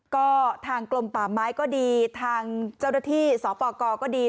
ก็ทางกลมป่าไม้ก็ดีทางเจ้าหน้าที่สปกก็ดี